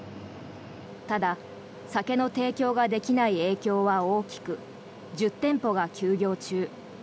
ただ、酒の提供ができない影響は大きく１０店舗が休業中。